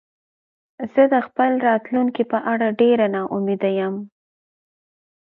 زه د خپل راتلونکې په اړه ډېره نا امیده یم